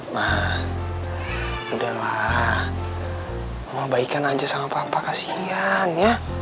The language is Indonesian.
ma udahlah mau baikan aja sama papa kasihan ya